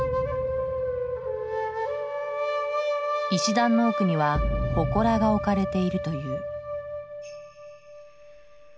石段の奥には祠が置かれているという。